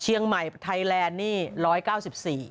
เชียงใหม่ไทยแลนด์นี่ร้อยเก้าสิบสี่